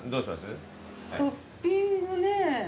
トッピングねぇ。